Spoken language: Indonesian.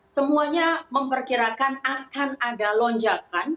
semuanya memperkirakan akan ada lonjakan